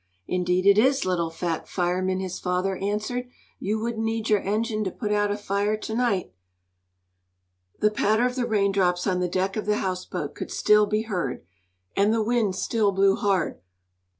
"Indeed it is, little fat fireman," his father answered. "You wouldn't need your engine to put out a fire to night." The patter of the raindrops on the deck of the houseboat could still be heard, and the wind still blew hard.